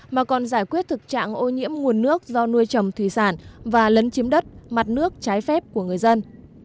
mà còn giải quyết thực trạng ô nhiễm nguồn nước do nuôi trồng thủy sản và lấn chiếm đất mặt nước trái phép của người dân